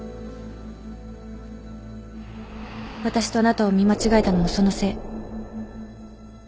私とあなたを見間違えたのはそのせい。